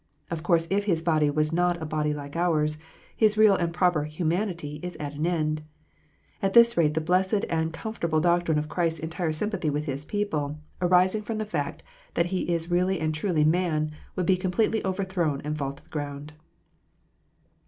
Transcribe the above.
Of course if His body was not a body like ours, His real and proper "humanity " is at an end. At this rate the blessed and com fortable doctrine of Christ s entire sympathy with His people, arising from the fact that He is really and truly man, would be completely overthrown and fall to the ground.